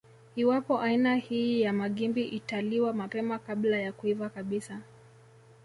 Iwapo aina hii ya magimbi italiwa mapema kabla ya kuiva kabisa